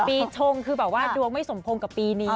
ปีชงคือแบบว่าดวงไม่สมพงษ์กับปีนี้